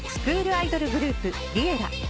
アイドルグループＬｉｅｌｌａ！］